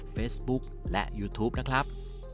เฟซบุ๊คและยูทูปนะครับ